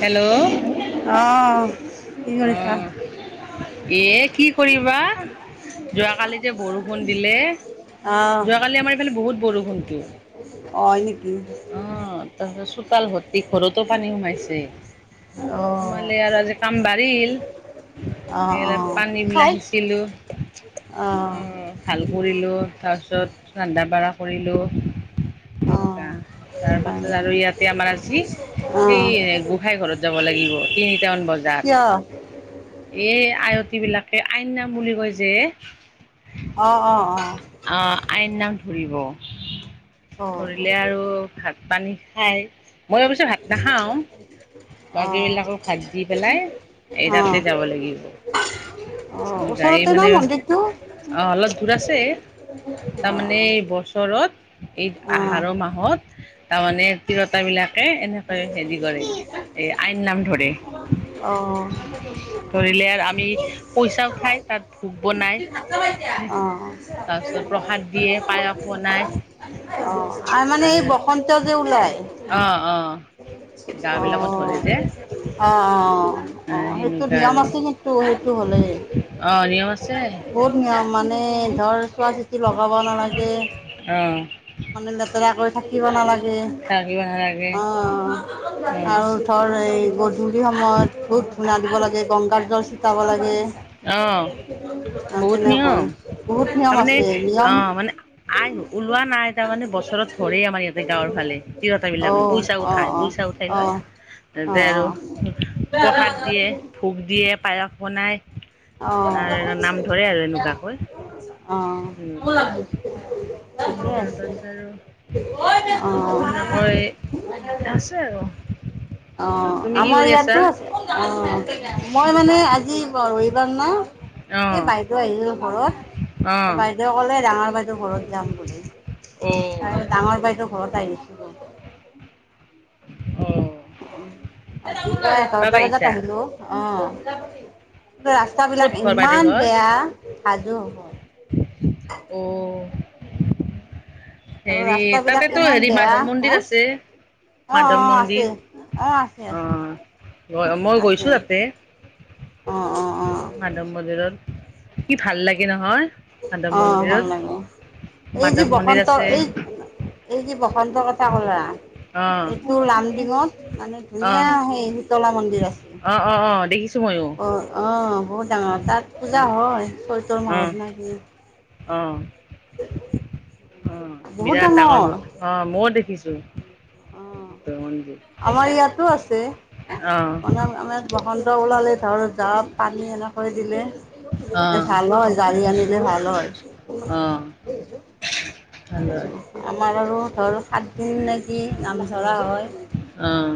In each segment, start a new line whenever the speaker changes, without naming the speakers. Hello!
আহ কি কৰিছা?
অঁ। এ কি কৰিবা। যোৱাকালি যে বৰষুণ দিলে,
আহ
যোৱাকালি আমাৰ এইফালে বহুত বৰষুণতো।
অ' হয় নেকি?
অঁ, তাৰপিছত চোতাল ভৰ্তি, ঘৰতো পানী সোমাইছে।
অহ।
লে আৰু আজি কাম বাঢ়িল,
অ অ
সেইবিলাক পানীবিলাক সিঁচিলো।
অ
উম ভাল কৰিলোঁ তাৰপিছত ৰান্ধা - বাঢ়া কৰিলোঁ।
অ
তেনেকুৱা তাৰ
হয়
পাছত
নেকি?
আৰু ইয়াতে আমাৰ আজি
অ
সেই গোসাঁই ঘৰত যাব লাগিব, তিনিটামান বজাত।
কিয়?
এই আয়তীবিলাকে আই নাম বুলি কয় যে।
অ', অ', অ'।
অ', আইন নাম ধৰিব,
অ
ধৰিলে আৰু ভাত পানী খায়, মই অৱশ্যে ভাত নাখাওঁ।
অ
বাকীবিলাকক ভাত দি পেলাই, এই
অ
তাতে যাব লাগিব।
অ',
গাড়ী
ওচৰতে ন
মানে
মন্দিৰটো?
অ অলপ দুৰ আছে।
অ
তাৰমানে এই বছৰত, এই
অ অ অ
আহাৰ মাহত তাৰমানে তিৰোতাবিলাক কে এনেকৈ হেৰি কৰে এই আই নাম ধৰে।
অঁ।
ধৰিলে আৰ আমি পইচা উঠাই তাত ভোগ বনাই
অঁ।
তাৰপিছত প্ৰসাদ দিয়ে, পায়স বনায়
অ আৰু মানে এই বসন্ত যে ওলাই
অঁ অঁ, গাঁওবিলাকত ধৰে যে।
অ', অ', অ'। অ', সেইটো
সেনেকুৱা
নিয়ম
আৰু
আছে কিন্তু সেইটো হ'লে।
অ নিয়ম আছে।
বহুত নিয়ম মানে ধৰ, চোৱা - চিতি লগাব নালাগে।
অহ
মানে লেতেৰাকৈ থাকিব নালাগে,
থাকিব নালাগে।
অ', অ'।
অ
আৰু ধৰ এই গধূলি সময়ত ধূপ - ধূনা দিব লাগে, গংগাজল চি টাব লাগে। অ'
বহুত নিয়ম।
তেনেকৈ, বহুত নিয়ম আছে, নিয়ম
আইন ওলোৱা নাই, তাৰ মানে বছৰত ধৰেই আমাৰ ইয়াতে গাঁৱৰ ফালে
অ
তিৰোতাবিলাকে পইচা
অ অ
উঠাই, পইচা উঠ
অ
ঠেলৈ
অ
তাতে আৰু প্ৰসাদ দিয়ে, ভোগ দিয়ে, পায়স বনাই আৰু নাম ধৰে আৰু
অ
এনেকুৱাকৈ
অ।
উম
ঠিকে
তাৰ
আছে
পাছ আৰু তেনেকৈ
অ
টাস্ক তে আৰু।
অ,
তুমি কি
আমাৰ
কৰি আছা?
ইয়াতো আছে, অ মই মানে আজি পৰিবাৰ না এই
অহ
বাইদেউ আহিলো। ঘৰত, এ
অহ
বাইদেউ ক'লে ডাঙৰ বাইদেউৰ ঘৰত যাম বুলি।
অ
আৰ ডাঙৰ বাইদেউৰ ঘৰত আহিছিলো।
অ'।
অ দুটা
তাত
এঘাৰটা বজাত
আহিছা?
আহিলো অ, তোৰ ৰাস
ক'ত
তাবিলাক
ঘৰ বাইদেউৰ
ইমান
ঘৰ?
বেয়া হাজো হব।
অ।
আৰু
হেৰি
ৰাস্তাবিলাক
তাতেতো
ইমান
হেৰি
বেয়া
মাধৱ মন্দিৰ
হা
আছে।
অ
মাধৱ
অ
মন্দিৰ,
আছে অ আছে
অ
আছে
গৈ মই গৈছো
আছে
তাতে।
অ অ অ
মাধৱ মন্দিৰত, কি ভাল লাগে নহয়। মাধৱ
অ ভাল
মন্দিৰত।
লাগে, এই যে
মাধৱ মন্দিৰ
বসন্ত
আছে
এই এই যে বসন্ত কথা ক'লা
অ'
এইবোৰ লামডিঙত মানে ধুনীয়া
অ'
সেই শীতলা মন্দিৰ আছে।
টো ময়ো।
অ অ বহুত ডাঙৰ তাত পূজা হয় চৈতৰ
অ'
মাহত নাই।
অ
[unintelligible]
অ বিৰাট ডাঙৰ ম অ ময়ও দেখিছোঁ মন্দিৰ
আমাৰ ইয়াতো আছে
অ
আমক বসন্ত ওলালে ঘৰত জাপ পানী এনেকৈ দিলে এ
অ'
ভাল হয় জালি আনিলে ভাল হয়
অঁ
আমাৰ আৰু ধৰ সাতদিন নেকি নাম ধৰা হয়
অঁ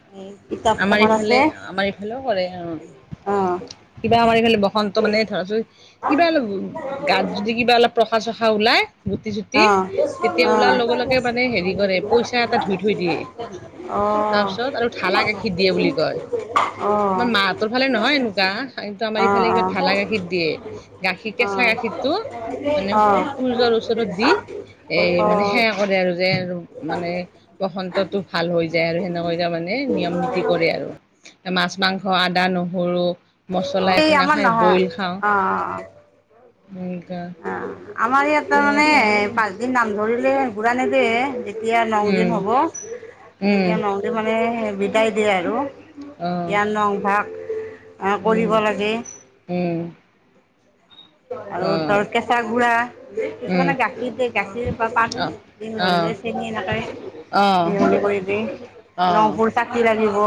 [unintelligible]
আমাৰ ইফালে আমাৰ ইফালেও কৰে অ
অঁ
কিবা আমাৰ এইফালে বসন্ত মানে ধৰাচোন
এই
কিবা অলপ গাত যদি কিবা অলপ পশা চসা ওলায় গুটি চুটি তেতিয়া ওলাৰ লগে লগে মানে হেৰি কৰে পইচা এটা ধুই থৈ দিয়ে তাৰ পিছত আৰু ঢালা গাখীৰ দিয়ে বুলি
আমাৰ
কয় তোমাৰ মাহতৰ ফালে নহয় এনো কোৱা, এইটো আমাৰ ইফালে কিবা ঢালা গাখীৰ দিয়ে। গাখীৰ কেঁচা গাখীৰটো মানে সূ সূৰ্য্য ওচৰত দি এই মানে সেৱা কৰে আৰু যে আৰু মানে বসন্তটো ভাল হৈ যায় আৰু সেনেকৈ কৰি দিয়া মানে নিয়ম নীতি কৰে আৰু মাছ, মাংস, আদা, নহৰু, মছলা, একো নাখাই
নহয়
বইল খাওঁ
অ
সেনকা
অ, আমাৰ ইয়াটো মানে পাঁচদিন নাম ধৰিলে ঘুৰা নেদে যেতিয়া ন দিন
উম
হ'ব
উম
তেতিয়া ন দিন মানে বিদায় দিয়ে আৰু
অহ
ইয়া নমভাগ
উম
কৰিব লাগে
উম
আৰু
অহ
ধৰ কেঁচা গুৰা,
উম
কিছুমানে গাখীৰ দিয়ে গাখীৰ বা
অহ
পাতহে দিল
অহ
নললে চিনি নাপাই
অহ
সিহকে কৰিবি নপুৰ চাকি লাগিব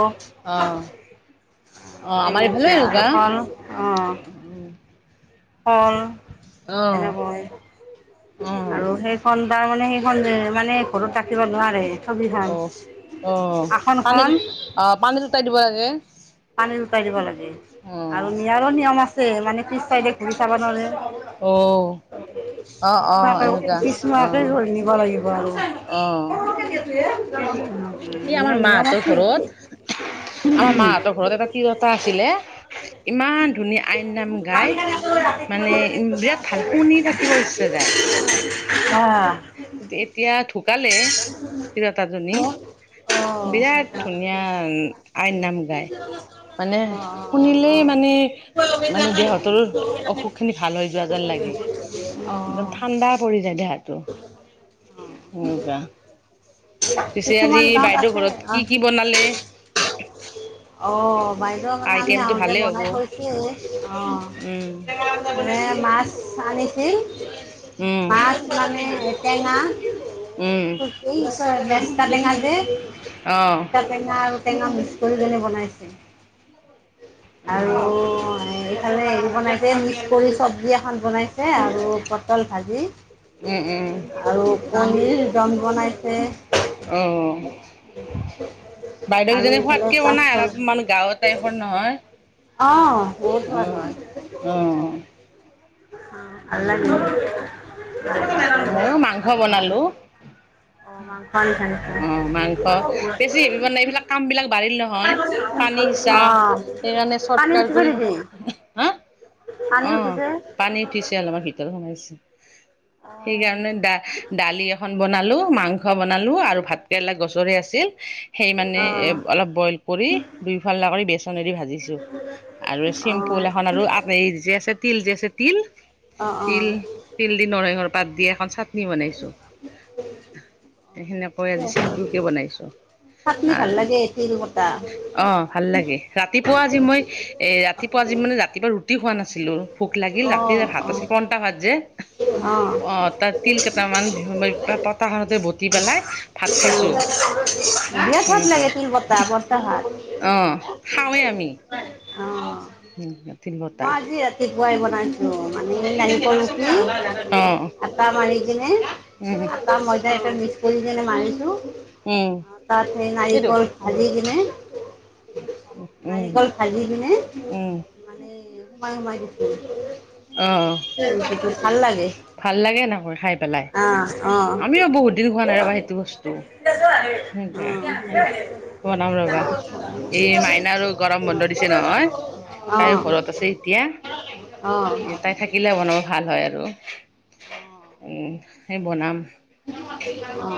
অ অ আমাৰ এইফালেও এনকা
অ অ
আহ
এনকা আৰু সে
অ
সেইখন তাৰ মানে সেইখন যে মানে ঘৰত ৰাখিব নোৱাৰে। ছবিখন
অ অ, পানী
আসনখন
উট পানী উটাই দিব লাগে।
পানী উটাই দিব লাগে
অ
আৰু নিয়াৰো নিয়ম আছে মানে পিছ চাইডে ঘূৰি চাব নোৱাৰে।
অঁ
পিছ নোহোৱাকে পিছ
অ
নোহোৱাকে ধৰি নিব লাগিব আৰু কি
সি আমাৰ মাহঁতৰ ঘৰত আমা মাহঁত ঘ ঘৰত এটা তিৰো এটা আছিলে, ইমান ধুনীয়া আই নাম গাই মানে ইম বিৰাট ভাল শুনি থাকিব ইচ্ছা যায়।
অহ
এতিয়া ঢুকালে
ও
তিৰোতাজনী।
ও ও,
বিৰাট ধুনীয়া আই নাম গায়। মানে
ও, ও।
শুনিলেই মানে মানে দেহতৰো অসুখ খিনি ভাল হৈ যোৱা যেন লাগে। একদম ঠাণ্ডা পৰি যায় দেহাটো। সেনে কোৱা, পিছে আজি
কিছুমান গাঁৱত
বাইদেউ
আছে
ঘৰত
অ
কি কি বনালে?
অ, বাইদেউ মানে আমি
আইটেমটো
আহোতে
ভালেই হ'ব।
বনাই থৈছো, অ!
উম,
মানে মাছ আনিছিল!
উম,
মাছ মানে এ টেঙা।
উম,
গেচ পালেঙা যে
অ',
টেঙা আৰু টেঙা মিক্স কৰি পেনে বনাইছে,
উম।
আৰু হে হেৰি বনাইছে, মিক্স কৰি চব্জী এখন বনাইছে আৰু পটল ভাজি
উম, উম,
আৰু কনীৰ দম বনাইছে।
অ', বাইদেউ
আৰু
কেইজনী
এইফালে
সোৱাদকে বনাই
কাচকল
অলপ মানুহ, গাঁৱৰ টাইপৰ নহয়।
অ', বহুত সোৱাদ
অ'।
হয়,
অ',
অ', ভাল লাগে।
মইও মাংস বনালো।
অ মাং
অ' মাংস, বেছি হেৰি মানে, এইবিলাক কাম বিলাক বাঢ়িল নহয়। পানী সিঁচা,
অঁ
সেইকাণে চত
পানী
কাৰ
উঠিছে
কৰিব,
নেকি
হা',
পানী
অ',
উঠিছে
পানীত, উঠিছে অলমান ভিতৰত সোমাইছে
অঁ
সেইকাৰণে দা দালি এখন বনালো মাংস বনালো আৰু ভাত ভাতকেৰেলা গছৰে আছিল সেই মানে
অঁ
এ অলপ বইল কৰি দুই-ফাল্লা কৰি বেচনেৰে ভাজিছো আৰু চিম্পুল এখন আৰু আপনা--এই যে আছে তিল যে আছে তিল
অঁ অঁ
তিল
অঁ
তিল দি নৰসিংহৰ পাত দি এখন চাটনি বনাইছো সেই সেনেকৈ আজি চিম্পুল কে বনাইছো
চাটনি ভাল
আৰু
লাগে তিলবতা
অঁ ভাল লাগে ৰাতিপুৱা আজি মই এ ৰাতিপুৱা আজি মানে ৰাতিপুৱা ৰুটি খোৱা নাছিলোঁ ভোক
অ
লাগিল ৰাতি এ
অ
ভাত আছিল পন্টা ভাত যে অ', তাত তিল কেইটামান পতাখনতে বতি পেলাই। ভাত
অ
খাইছো
বিৰাট ভাল লাগে তিল বটা পান্টা ভাত
অঁ', খাওঁৱেই আমি।
অ
[unintelligible]
মই আজি ৰাতিপুৱাই বনাইছো, মানে নাৰিকল ৰুকি।
অ', অ
আটা মাৰি কিনে,
উম'
ত ময়দা ইয়াতে মিছ কৰি কেনে মাৰিছোঁ
উম,
তাত সেই
সেইটো
নাৰিকল
উম,
ভাজি কিনে
উম,
নাৰিকল ভাজি কিনে
উম,
মানে সোমাই সোমাই দিছো
অঁ
টো ভাল লাগে
ভাল লাগে এনেকৈ খাই পেলাই
অ অ
আমিও বহুত দিন
অ', অ', অ', অ',
খোৱা নাই ৰবা সেইটো বস্তু
শুনিছো হয় নেকি?
[unintelligible] বনাম ৰবা এই মাইনাৰো গৰম বন্ধ দিছে নহয়
অ'।
[unintelligible] এতিয়া,
অ', হয়
তাই থাকিলে বনাব ভাল হয় আৰু। উম, সেই বনাম।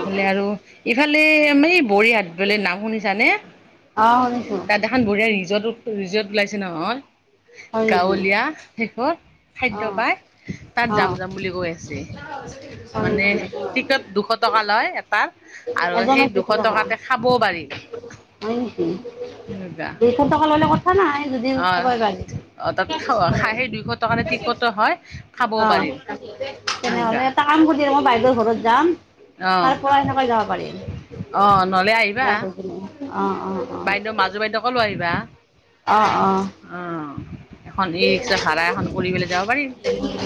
ইফালে আৰু, ইফালে আমাৰ এই বৰিহাত বুলি নাম শুনিছা নে?
অ', শুনিছো।
তাত এখন বঢ়িয়া ৰিজৰ্ট, ৰিজৰ্ট ওলাইছে নহয়। গাঁৱলীয়া, সেইখনত খাদ্য পায়, তাত যাম যাম বুলি বেছি, মানে,
নেকি?
টিকট দুশ টকা লয় এটাৰ, আৰু সেই
এজনক
দুশ
টকা
টকাতে খাব পাৰি।
হয় নেকি,
সেনেকুৱা
দুশ টকা ললি কথা নাই যদিও
অ',
খাবই পাৰি।
অ', তাত খ সেই দুইশ টকাৰে টিকটো হ'য়, খাবও
অ',
পাৰি।
তেনেহলে
সেনেকুৱা
এটা কাম কৰি, মই বাইদেউৰ ঘৰত যাম।
অ',
তাৰপৰা সেনেকৈ যাব পাৰিম,
অ', নহ'লে আহিবা
[unintelligible] অ' অ'।
বাইদেউ, মাজু বাইদেউকো লৈ আহিবা, অ'। এখন ই ৰিক্সা ভাড়া এখন কৰি পেলাই যাব পাৰিম।
অ', [unintelligible]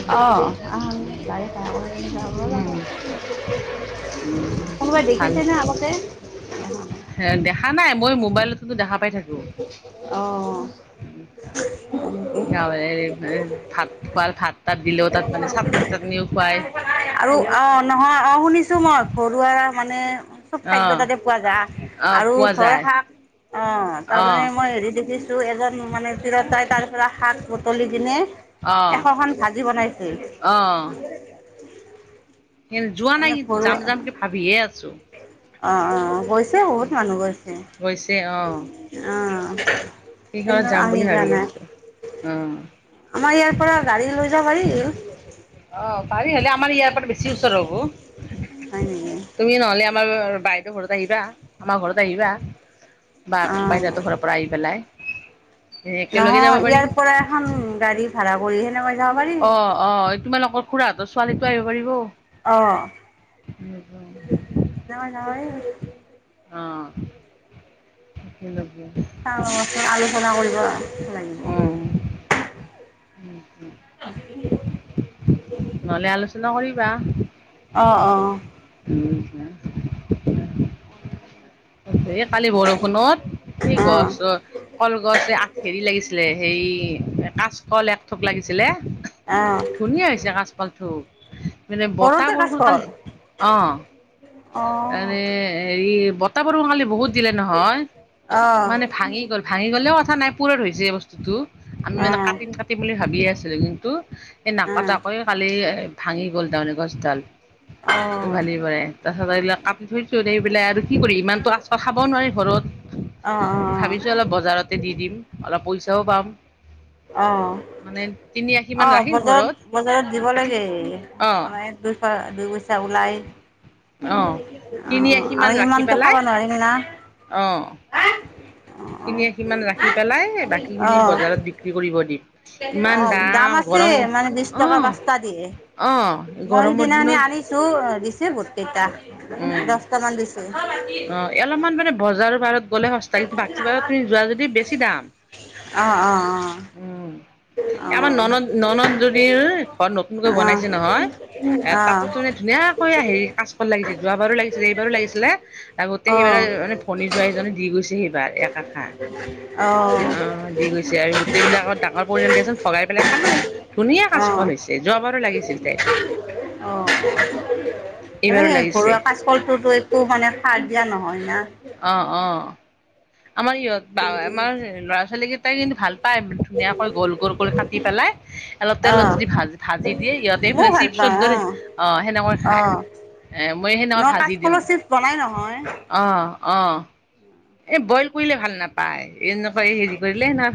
উম, উম। উম,
কোনোবাই
ভাল
দেখিছেনে আগতে?
দেখা নাই, মই মোবাইলতো দেখা পাই থাকো।
অ'
গাঁৱে ভাত খুৱাল, ভাত তাত দিলেওঁ, তাত মানে চাটনি চাটনিও খুৱায়।
আৰু অ', নহয় অ' শুনিছো মই ঘৰুৱা মানে চব খাদ্য
অ',
তাতে পোৱা যায়,
অ',
আৰু
পোৱা
ধৰ
যায়
শাক অ', তাৰমানে
অ',
মই হেৰি দেখিছো টো, এজন মানে টিৰোতাই তাৰপৰা শাক বুটলি কিনে
অ',
এশখন ভাজি বনাইছিল।
অ'। যোৱা নাই
মানে
কিন্তু, যাম
ঘৰুৱা
যাম কে ভাবিহে আছো।
অ', অ' গৈছে, বহুত মানুহ গৈছে,
গৈছে
অ'।
সি
কিন্তু
ঘৰত যাম
আমি
বুলি
যোৱা
ভাবি
নাই
আছো, অ'।
আমাৰ ইয়াৰ পৰা গাড়ী লৈ যাব পাৰি।
অ', পাৰি হ'লে আমাৰ ইয়াৰ পৰা বেছি ওচৰ হ'ব।
হয় নেকি?
তুমি নহ'লে আমাৰ বাইদউ ঘৰত আহিবা, আমাৰ ঘৰত আহিবা, বা
অ
বাইদেউ হতৰ ঘৰত পৰা আহি পেলাই, একেলগে যাব
নহয়
পাৰিম।
ইয়াৰ পৰা এখন গাড়ী ভাড়া কৰি সেনেকৈ যাব পাৰি
অ', অ' তোমাৰালোকৰ খুৰাহঁতৰ, ছোৱালীতটো আহিব পাৰিব।
অ', নহয় নহয়
অ', [unintelligible]
অ', সেই আলোচনা কৰিব। লাগিব।
অহ [inaudible]
[unintelligible]
নহ'লে আলোচনা কৰিবা।
অ', অ'।
উম, উম। এই কালি বৰষুণত, এই
অ
গছৰ কলগছ আঠ হেৰি লাগিছিলে, সেই কাচকল একথোক লাগিছিলে।
অ
ধুনীয়া হৈছে কাচকল থোক। মানে
ঘৰতে
বতাহ বৰষুণ কাল
কাচকল
অ
অ
এনে হেৰি বতাহ বৰখুন কালি বহুত দিলে নহয়
অ অ অ
মানে ভাঙি গ'ল। ভাঙি গ'লেও কথা নাই পূৰত হৈছে এই বস্তুটো আমি
অ
মানে কাটিম কাটিম বুলি ভাবিয়ে আছিলোঁ কিন্তু এ নাক তাকৈ কালি ভাঙি গ'ল তাৰমানে গছডাল উভালি পৰে। তাৰপাছত আহিলৈ [unintelligible] এইবিলাক আৰু কি কৰি ইমানতো আচ পাল খাব নোৱাৰি
অ অ
ঘৰত ভাবিছো অলপ বজাৰতে দি দিম অলপ পইচাও পাম।
অ
মানে তিনি আশী মান
অহ
ৰাখিম ঘৰত
বজাৰত বজাৰত দিব লাগেই।
অঁ
মানে দুইশ দুই পইচা ওলাই
অঁ
অ
তিনি
আৰু ইমানতটো খাব নোৱাৰিম না।
অ কিনিয়ে সিমান ৰাখি পেলাই বাকী খিনি
অ',
বজাৰত বি ক্ৰি কৰিব দি।
অ দাম আছে মানে বিশ টকাৰ পাঁচটা দিয়ে।
অ গৰমৰ দিনত
টো দিছে বোটকেইটা দছটামান দিছে।
এ অলপমান জাতে বজাৰৰ বাৰত গ'লে সস্তা কিন্তু বাকী বাৰ তুমি যোৱা যদি বেছি দাম।
অ', অ', অ',
উম। আমাৰ
অ',
ননদ ননদ জনিৰ ঘৰত নতুনকৈ
অ', অ',
বনাইছে নহয়। এ তাতো তাৰানে ধুনীয়াকৈ হেৰি কাচকল লাগিছিল যোৱ বাৰো লাগিছিলে এইবাৰো লাগিছিলে। গোতে সেইবাৰ
অ',
মানে ভনী যোৱাই জনে দি গৈছে সেইবাৰ এক আষা।
অ',
অ দি গৈছে আৰু গোটেই বিলাকত টাকা পৰিয়াল দিয়াচোন ভগাই পেলাই খালো ধুনীয়া
অ',
কাচকল হৈছে যোৱাবাৰো লাগিছিল তাইৰ।
অ।
এইবাৰো লাগিছে।
ফলটোতো একো মানে সাৰ দিয়া নহয় না
অ অ আমাৰ ইহঁত বা আমাৰ ল'ৰা ছোৱালী কেইটাই কিন্তু ভাল তাই ধুনীয়াকৈ গোল গোল কৰিল কাটি পেলাই অলপ তেলত
অ',
যদি ভা ভাজি দিয়ে ইহতে
ময়ো
এইফালে
ভাল
চিপ
পাওঁ অ
চদৰে অ সেনেকৈ
অ
খাই,
ন
এ মই সেনেকা ভাজি দিওঁ।
কাচকলৰ চিপছ বনাই নহয়
অ অ। এ বইল কৰিলে ভাল নাপায় এনেকা হেৰি কৰিলে না